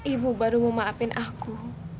ibu baru mau maafin aku